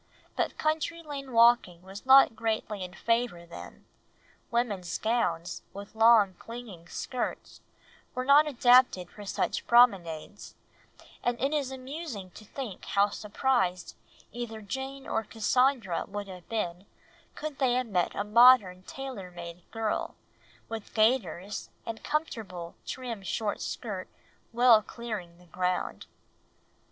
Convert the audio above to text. But country lane walking was not greatly in favour then, women's gowns, with long clinging skirts, were not adapted for such promenades, and it is amusing to think how surprised either Jane or Cassandra would have been could they have met a modern tailor made girl, with gaiters, and comfortable, trim short skirt well clearing the ground.